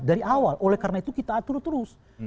dari awal oleh karena itu kita atur terus